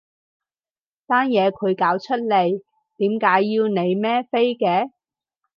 單嘢佢搞出嚟，點解要你孭飛嘅？